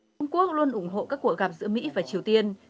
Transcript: trung quốc luôn ủng hộ các cuộc gặp giữa mỹ và triều tiên